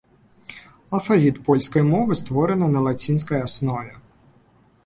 Алфавіт польскай мовы створаны на лацінскай аснове.